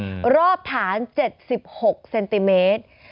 รอบฐาน๗๖เซนติเมตร